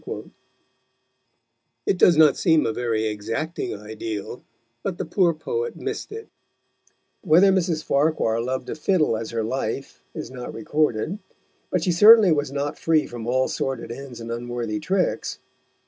_ It does not seem a very exacting ideal, but the poor poet missed it. Whether Mrs. Farquhar loved a fiddle as her life is not recorded, but she certainly was not free from all sordid ends and unworthy tricks.